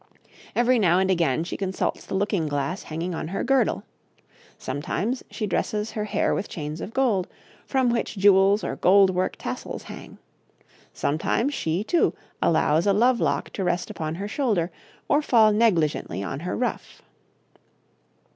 Every now and again she consults the looking glass hanging on her girdle; sometimes she dresses her hair with chains of gold, from which jewels or gold work tassels hang; sometimes she, too, allows a love lock to rest upon her shoulder, or fall negligently on her ruff.